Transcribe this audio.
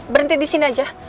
berhenti di sini aja